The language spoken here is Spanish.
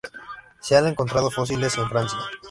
Se han encontrado fósiles en Francia.